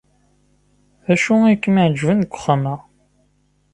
D acu ay kem-iɛejben deg uxxam-a?